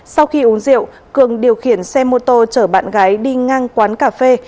sau khi uống rượu cường điều khiển xe mô tô chở bạn gái đi ngang quán cà phê